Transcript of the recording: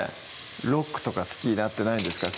ロックとか好きになってないんですか？